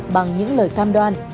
bằng những lời cam đoan